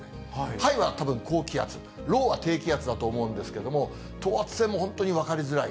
ＨＩＧＨはたぶん高気圧、ＬＯＷは低気圧だと思うんですけども、等圧線も本当に分かりづらい。